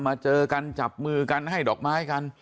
เจอกันจับมือกันให้ดอกไม้กัน